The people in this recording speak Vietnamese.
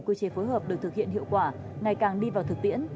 quy chế phối hợp được thực hiện hiệu quả ngày càng đi vào thực tiễn